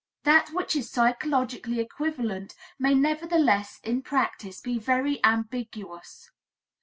That which is psychologically equivalent may nevertheless in practice be very ambiguous.